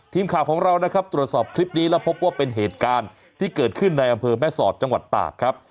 ทีมข่าวของเรานะครับตรวจสอบคลิปนี้แล้วพบว่าเป็นเหตุการณ์ที่เกิดขึ้นในอำเภอแม่สอดจังหวัดตากครับ